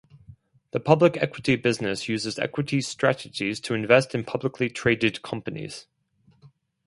The public equity business uses equity strategies to invest in publicly traded companies.